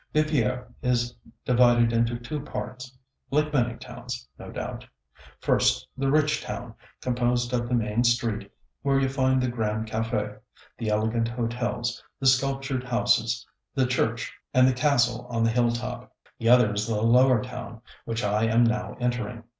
Viviers is divided into two parts like many towns, no doubt. First, the rich town, composed of the main street, where you find the Grand Café, the elegant hotels, the sculptured houses, the church and the castle on the hill top. The other is the lower town, which I am now entering.